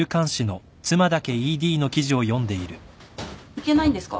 いけないんですか？